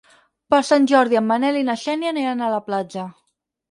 Per Sant Jordi en Manel i na Xènia aniran a la platja.